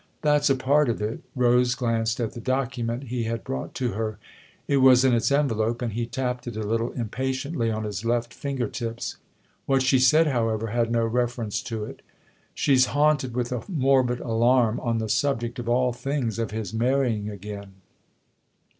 "That's a part of it." Rose glanced at the docu ment he had brought to her ; it was in its enve lope, and he tapped it a little impatiently on his left finger tips. What she said, however, had no reference to it. " She's haunted with a morbid 56 THE OTHER HOUSE alarm on the subject, of all things, of his marry ing again."